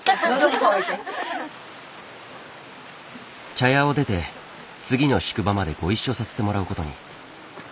茶屋を出て次の宿場までご一緒させてもらうことに。